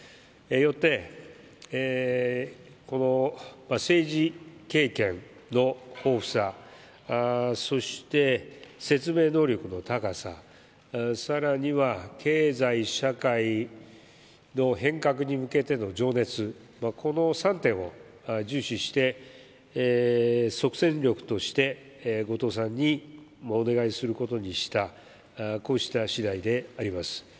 よって、この政治経験の豊富さ、そして説明能力の高さ、さらには経済、社会の変革に向けての情熱、この３点を重視して、即戦力として後藤さんにお願いすることにした、こうした次第であります。